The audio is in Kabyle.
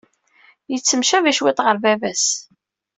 Yettemcabi cwiṭ ɣer baba-s.